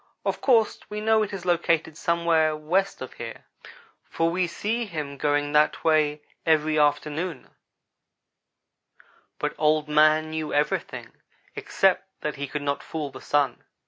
Of course we know it is located somewhere west of here, for we see him going that way every afternoon, but Old man knew everything except that he could not fool the Sun.